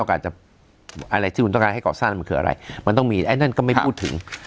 อาจจะอะไรที่คุณต้องการให้ก่อสร้างมันคืออะไรมันต้องมีไอ้นั่นก็ไม่พูดถึง